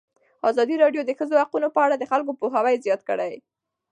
ازادي راډیو د د ښځو حقونه په اړه د خلکو پوهاوی زیات کړی.